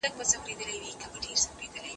راکده پانګه اقتصاد ته زیان رسوي.